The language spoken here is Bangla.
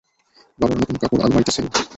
বাবার নতুন কাপড় আলমারিতে ছিলো।